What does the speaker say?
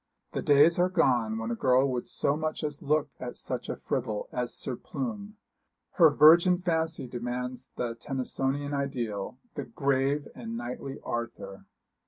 The days are gone when a girl would so much as look at such a fribble as Sir Plume. Her virgin fancy demands the Tennysonian ideal, the grave and knightly Arthur.